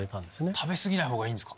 食べ過ぎないほうがいいんすか？